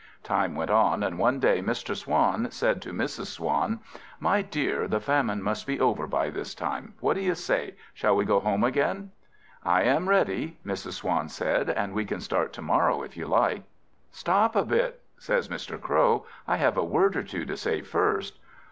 Time went on, and one day Mr. Swan said to Mrs. Swan "My dear, the famine must be over by this time. What do you say? shall we go home again?" "I am ready," Mrs. Swan said, "and we can start to morrow if you like." "Stop a bit," says Mr. Crow, "I have a word or two to say first."